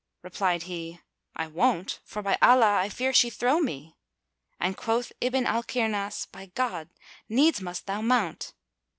Replied he, "I won't; for by Allah, I fear she throw me;" and quoth Ibn al Kirnas, "By God, needs must thou mount."